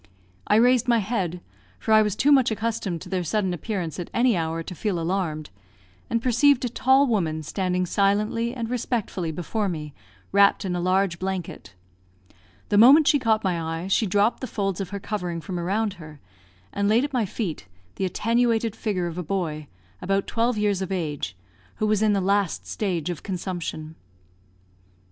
I raised my head, for I was too much accustomed to their sudden appearance at any hour to feel alarmed, and perceived a tall woman standing silently and respectfully before me, wrapped in a large blanket. The moment she caught my eye she dropped the folds of her covering from around her, and laid at my feet the attenuated figure of a boy, about twelve years of age, who was in the last stage of consumption.